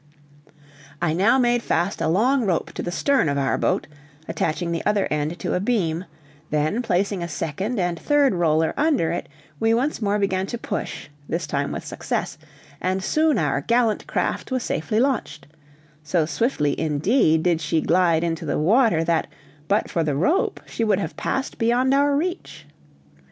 I now made fast a long rope to the stern of our boat, attaching the other end to a beam; then placing a second and third roller under it, we once more began to push, this time with success, and soon our gallant craft was safely launched: so swiftly indeed did she glide into the water that, but for the rope, she would have passed beyond our reach.